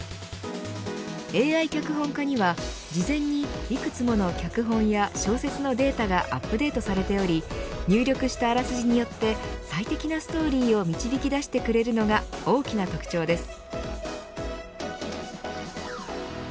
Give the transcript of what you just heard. ＡＩ脚本家には事前にいくつもの脚本や小説のデータがアップデートされており入力したあらすじによって最適なストーリーを導き出してくれるのが大きな特徴です。